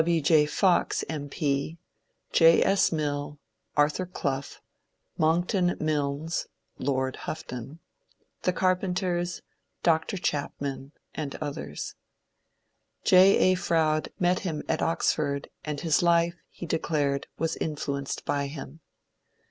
P., W. J. Fox M. P., J. S. Mill, Arthur Clough, Monckton Milnes (Lord Houghton), the Carpenters, Dr. Chapman, and others. J. A. Fronde met him at Oxford and his life, he declared, was influenced by him.